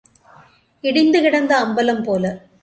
இடிந்து கிடந்த அம்பலம் போல.